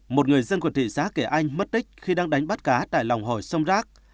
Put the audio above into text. một người dân của thị xã kỳ anh mất tích khi đang đánh bắt cá tại lòng hồ sông rác